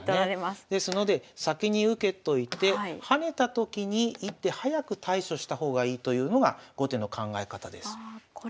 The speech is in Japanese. ですので先に受けといて跳ねたときに１手早く対処した方がいいというのが後手の考え方です。